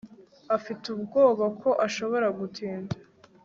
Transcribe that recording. afite ubwoba ko ashobora gutinda